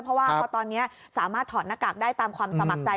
เพราะว่าพอตอนนี้สามารถถอดหน้ากากได้ตามความสมัครใจ